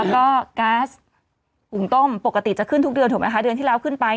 ก็ก๊าซอุงต้มปกติจะขึ้นทุกเดือนถูกไหมคะเดือนที่แล้วขึ้นไป